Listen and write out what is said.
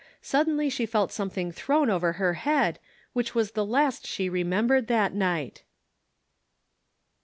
suddenly she felt something thrown over her head, which was the last she remembered that night.